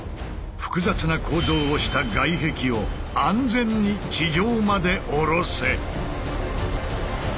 複雑な構造をした外壁を安全に地上まで下ろせ！